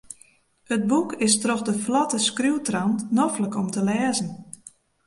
It boek is troch de flotte skriuwtrant noflik om te lêzen.